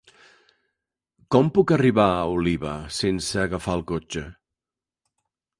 Com puc arribar a Oliva sense agafar el cotxe?